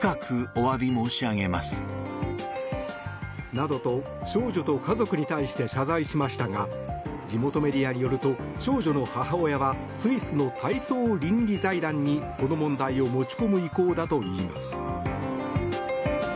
などと、少女と家族に対して謝罪しましたが地元メディアによると少女の母親はスイスの体操倫理財団にこの問題を持ち込む意向だといいます。